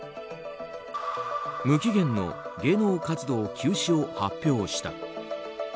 無期限の芸能活動休止を発表した。